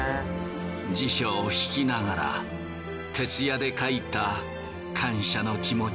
辞書を引きながら徹夜で書いた感謝の気持ち。